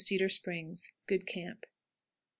Cedar Springs. Good camp. 23.